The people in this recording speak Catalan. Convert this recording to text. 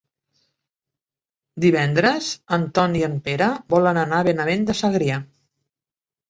Divendres en Ton i en Pere volen anar a Benavent de Segrià.